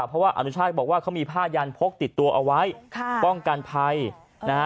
เพราะว่าอนุชาติบอกว่าเขามีผ้ายันพกติดตัวเอาไว้ค่ะป้องกันภัยนะฮะ